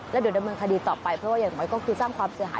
แล้วเดี๋ยวดำเนินคดีต่อไปเพราะว่าอย่างน้อยก็คือสร้างความเสียหาย